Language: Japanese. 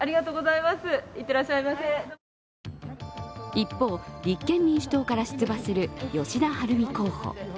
一方、立憲民主党から出馬する吉田晴美候補。